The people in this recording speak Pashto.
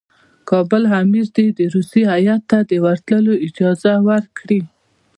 کابل امیر دي روسي هیات ته د ورتلو اجازه ورکړي.